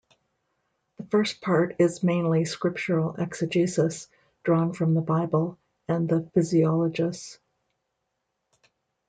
The first part is mainly scriptural exegesis, drawn from the Bible and the "Physiologus".